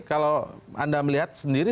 kalau anda melihat sendiri